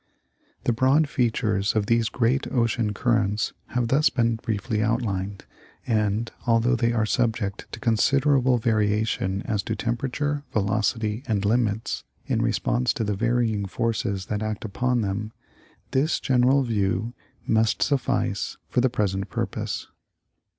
The broad features of these great ocean currents have thus The Great Storm of March 11 U, 1888. 4Y been briefly outlined, and, although they are subject to consider able variation as to temperature, velocity, and limits, in response to the varying forces that act upon them, this general view must suffice for the present purpose.